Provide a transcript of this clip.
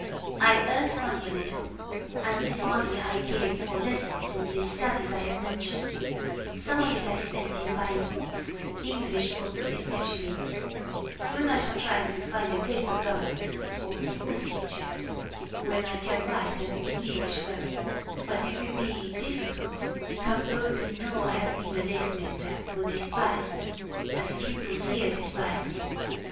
I earned money a little, and this money I gave for lessons in the studies I have mentioned; some of it I spent in buying books, English books especially; soon I shall try to find a place of governess, or school teacher, when I can write and speak English well; but it will be difficult, because those who know I have been a lace mender will despise me, as the pupils here despise me.